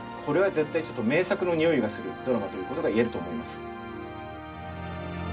これは絶対ちょっと名作のにおいがするドラマということが言えると思います。